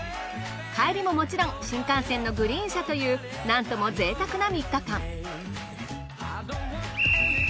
帰りももちろん新幹線のグリーン車というなんとも贅沢な３日間。